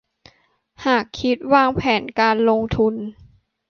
หากคิดแผนการลงทุน